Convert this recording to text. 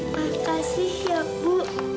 makasih ya bu